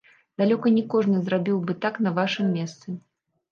Далёка не кожны зрабіў бы так на вашым месцы.